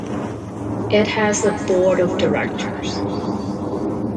It has a Board of Directors.